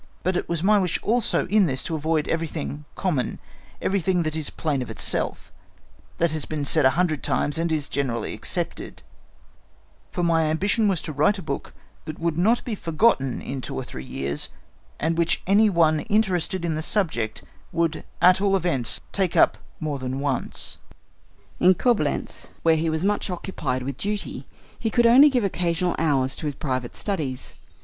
But it was my wish also in this to avoid everything common, everything that is plain of itself, that has been said a hundred times, and is generally accepted; for my ambition was to write a book that would not be forgotten in two or three years, and which any one interested in the subject would at all events take up more than once." In Coblentz, where he was much occupied with duty, he could only give occasional hours to his private studies.